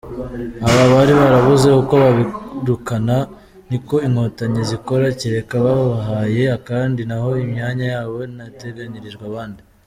aba baribarabuze uko babirukana nikoinkotanyi zikora kereka babahaye akandi naho imyanyayabo nateganyirijwe abandi.